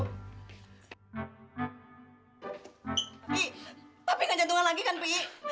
papi papi nggak jantungan lagi kan p i